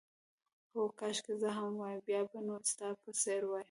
هو، کاشکې زه هم وای، بیا به نو ستا په څېر وای.